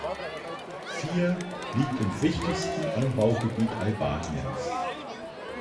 Fier liegt im wichtigsten Anbaugebiet Albaniens.